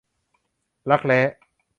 รักแร้